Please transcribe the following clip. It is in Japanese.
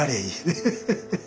フフフフ。